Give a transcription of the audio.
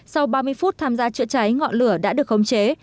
sau ba mươi phút tham gia chữa cháy ngọn lửa đã được khống chế